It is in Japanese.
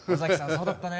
そうだったね。